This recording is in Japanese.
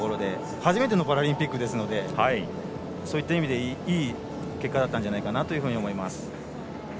初めてのパラリンピックですのでそういった意味でいい結果だったんじゃないかなと思います。